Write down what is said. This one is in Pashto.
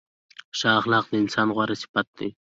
ښه اخلاق د انسان غوره صفت دی.